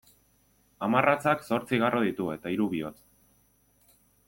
Hamarratzak zortzi garro ditu eta hiru bihotz.